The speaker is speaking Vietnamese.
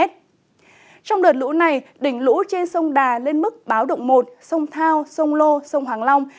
trong đợt lũ này đỉnh lũ trên sông đà lên mức báo động một sông thao sông lô sông hoàng long